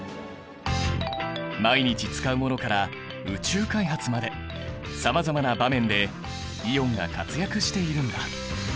毎日使うものから宇宙開発までさまざまな場面でイオンが活躍しているんだ。